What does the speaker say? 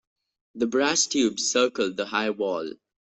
The brass tube circled the high wall.